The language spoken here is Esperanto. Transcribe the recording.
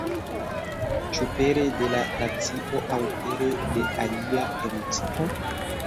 Ĉu pere de la racio aŭ pere de alia emocio?